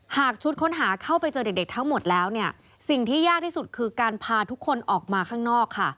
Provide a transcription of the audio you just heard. หากชุดค้นหาเข้าไปเจอเด็กทั้งหมดแล้วเนี่ยสิ่งที่ยากที่สุดคือการพาทุกคนออกมาข้างนอกค่ะ